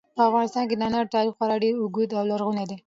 په افغانستان کې د انارو تاریخ خورا ډېر اوږد او لرغونی دی.